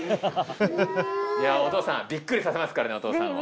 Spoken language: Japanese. お父さんビックリさせますからねお父さんを。